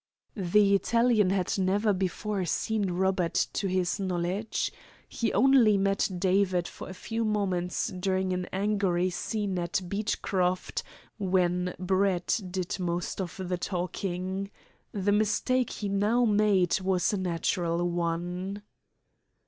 The Italian had never before seen Robert to his knowledge. He only met David for a few moments during an angry scene at Beechcroft, when Brett did most of the talking. The mistake he now made was a natural one.